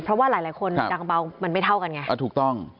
เพราะว่าหลายหลายคนดังเบามันไม่เท่ากันไงถูกต้อง